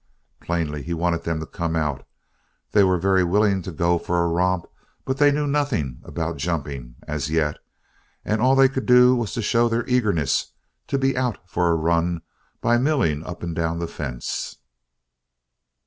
Plainly he wanted them to come out. They were very willing to go for a romp but they knew nothing about jumping, as yet, and all they could do was to show their eagerness to be out for a run by milling up and down the fence.